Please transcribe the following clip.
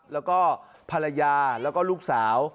แล้วก็ภรรยาแล้วก็ลูกสาว